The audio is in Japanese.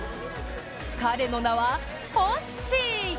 彼の名は、ホッシー。